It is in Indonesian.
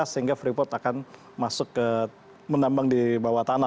sehingga freeport akan masuk ke menambang di bawah tanah